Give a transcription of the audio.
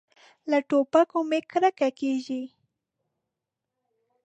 له ټوپکو مې کرکه کېږي.